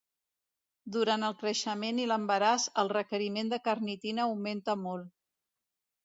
Durant el creixement i l'embaràs el requeriment de carnitina augmenta molt.